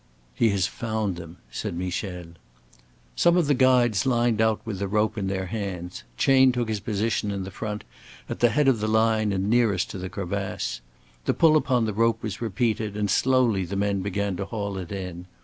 "He has found them," said Michel. Some of the guides lined out with the rope in their hands. Chayne took his position in the front, at the head of the line and nearest to the crevasse. The pull upon the rope was repeated, and slowly the men began to haul it in.